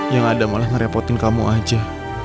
yang ada malah ngerepotin kamu aja